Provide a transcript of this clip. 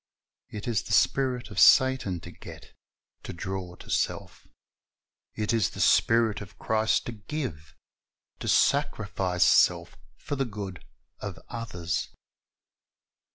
It is the spirit of Satan to get, to draw to self It is the spirit of Christ to give, to sacrifice self for the good of others.